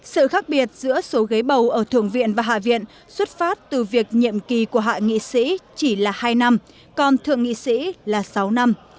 sự khác biệt giữa số ghế bầu ở thượng viện và hạ viện xuất phát từ việc nhiệm kỳ của hạ nghị sĩ chỉ là hai năm còn thượng nghị sĩ là sáu năm